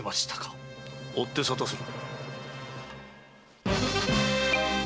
追って沙汰する。